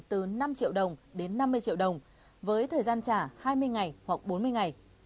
từ năm triệu đồng đến năm mươi triệu đồng với thời gian trả hai mươi ngày hoặc bốn mươi ngày